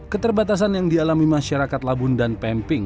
keterbatasan yang dialami masyarakat labun dan pemping